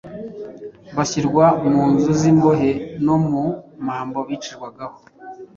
bashyirwa mu nzu z’imbohe no ku mambo bicirwagaho.